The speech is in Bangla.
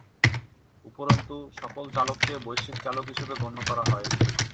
উপরন্তু, সকল চলককে বৈশ্বিক চলক হিসেবে গণ্য করা হয়।